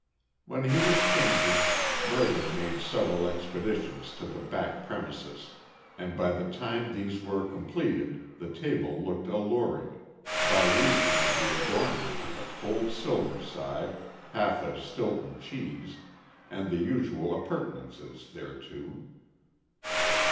While he was changing Mervyn made several expeditions to the back premises, and by the time these were completed the table looked alluring by reason of the adornment of a cold silverside, half a Stilton cheese and the usual appurtenances thereto.